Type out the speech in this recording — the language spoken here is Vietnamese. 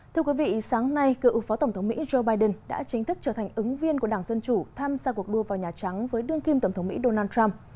thưa quý vị sáng nay cựu phó tổng thống mỹ joe biden đã chính thức trở thành ứng viên của đảng dân chủ tham gia cuộc đua vào nhà trắng với đương kim tổng thống mỹ donald trump